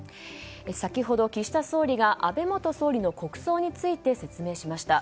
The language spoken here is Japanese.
先ほど、岸田総理が安倍元総理の国葬について説明しました。